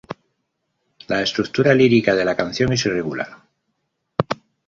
La estructura lírica de la canción es irregular.